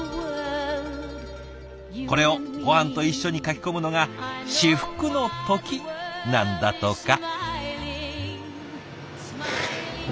これをごはんと一緒にかき込むのが至福の時なんだとか。